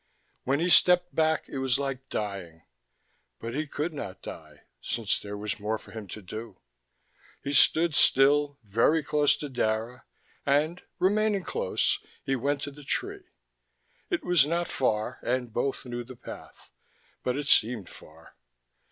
When he stepped back it was like dying, but he could not die, since there was more for him to do. He stood still, very close to Dara, and, remaining close, he went to the tree. It was not far and both knew the path, but it seemed far.